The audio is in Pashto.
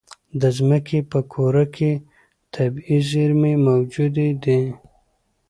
د ځمکې په کوره کې طبیعي زېرمې موجودې وي.